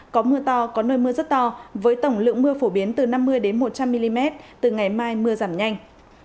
có mưa to có nơi mưa rất to với tổng lượng mưa phổ biến từ năm mươi một trăm linh mm từ ngày mai mưa giảm nhanh